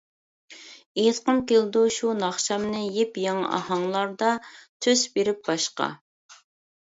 ئېيتقۇم كېلىدۇ، شۇ ناخشامنى، يېپيېڭى ئاھاڭلاردا، تۈس بېرىپ باشقا.